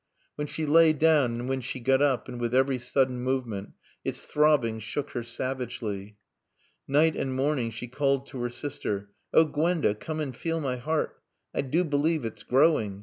When she lay down and when she got up and with every sudden movement its throbbing shook her savagely. Night and morning she called to her sister: "Oh Gwenda, come and feel my heart. I do believe it's growing.